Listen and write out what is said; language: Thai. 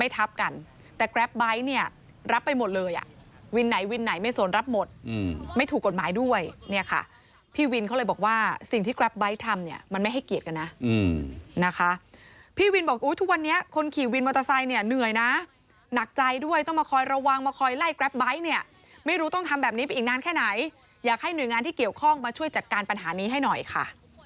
พี่วินเขาเลยบอกว่าสิ่งที่กราฟไบท์ทำเนี่ยมันไม่ให้เกียรติกันนะนะคะพี่วินบอกอุ้ยทุกวันนี้คนขี่วินมอเตอร์ไซค์เนี่ยเหนื่อยนะหนักใจด้วยต้องมาคอยระวังมาคอยไล่แกรปไบท์เนี่ยไม่รู้ต้องทำแบบนี้ไปอีกนานแค่ไหนอยากให้หน่วยงานที่เกี่ยวข้องมาช่วยจัดการปัญหานี้ให้หน่อยค่ะ